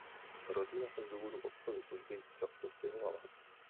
Rodina se z důvodů otcovy služby často stěhovala.